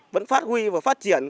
vẫn phát huy và phát triển